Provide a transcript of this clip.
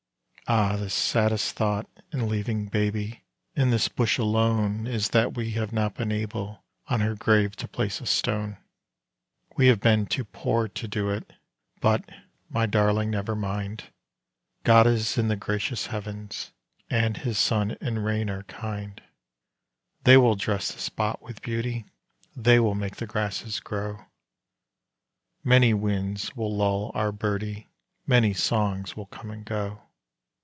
Ah! the saddest thought in leaving baby in this bush alone Is that we have not been able on her grave to place a stone: We have been too poor to do it; but, my darling, never mind God is in the gracious heavens, and His sun and rain are kind: They will dress the spot with beauty, they will make the grasses grow: Many winds will lull our birdie, many songs will come and go.